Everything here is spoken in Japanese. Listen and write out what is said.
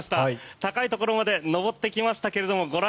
高いところまで登ってきましたがご覧